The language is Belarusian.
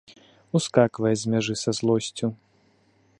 Ускаквае з мяжы са злосцю.